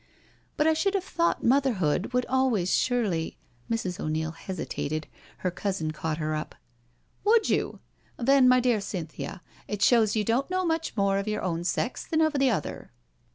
But I should have thought motherhood would always surely •.•" Mrs* 0*Neil hesitated, her cousin caught her up. " Would you? Then my dear Cynthia, it shows you don't know much more of your own sex than of the other.